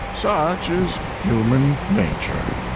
Such is human nature.